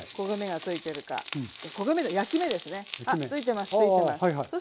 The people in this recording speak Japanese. ついてます。